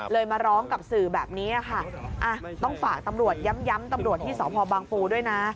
มาร้องกับสื่อแบบนี้ค่ะต้องฝากตำรวจย้ำตำรวจที่สพบางปูด้วยนะ